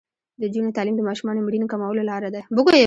د نجونو تعلیم د ماشومانو مړینې کمولو لاره ده.